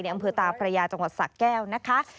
อำเภอตาพระยาจังหวัดสะแก้วนะคะ